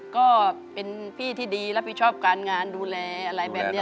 ก็เป็นพี่ที่ดีรับผิดชอบการงานดูแลอะไรแบบนี้